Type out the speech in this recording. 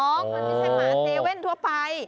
มันไม่ใช่หมาเซเว่นทั่วไป